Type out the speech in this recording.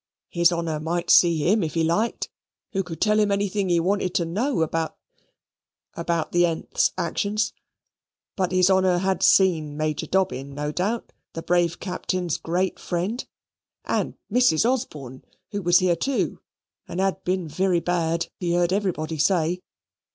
His honour might see him if he liked, who could tell him anything he wanted to know about about the th's actions. But his honour had seen Major Dobbin, no doubt, the brave Captain's great friend; and Mrs. Osborne, who was here too, and had been very bad, he heard everybody say.